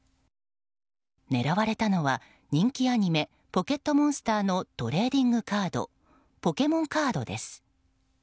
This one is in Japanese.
狙われたのは人気アニメ「ポケットモンスター」のトレーディングカードポケモンカードです。